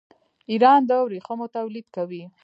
ایران د ورېښمو تولید کوي.